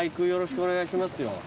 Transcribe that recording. よろしくお願いしますよ。